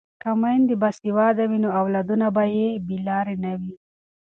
که میندې باسواده وي نو اولادونه به یې بې لارې نه وي.